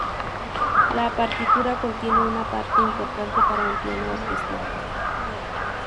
La partitura contiene una parte importante para un piano orquestal.